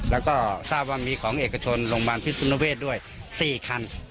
แล้วก็ทราบว่ามีของเอกชนโรงพยาบาลพิสุนเวศด้วย๔คัน